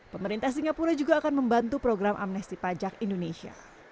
pemerintah singapura juga akan membantu program amnesti pajak indonesia